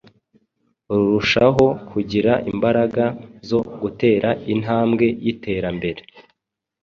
rurushaho kugira imbaraga zo gutera intambwe y’iterambere